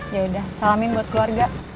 yaudah salamin buat keluarga